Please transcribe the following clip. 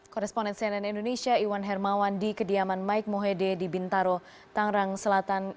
koresponen cnn indonesia iwan hermawan di kediaman mike mohede di bintaro tangerang selatan